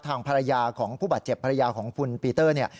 ทางภรรยาของผู้บาดเจ็บภรรยาของคุณปีเตอร์เนี่ย